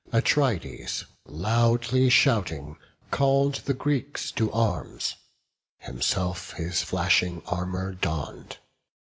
Atrides, loudly shouting, call'd the Greeks To arms: himself his flashing armour donn'd.